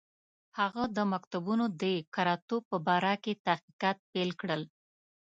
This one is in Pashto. هغه د مکتوبونو د کره توب په باره کې تحقیقات پیل کړل.